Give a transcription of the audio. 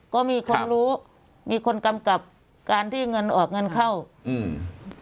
ก็มีคนรู้มีคนกำกับการที่เงินออกเงินเข้าอืม